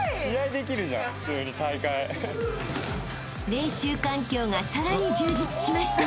［練習環境がさらに充実しました］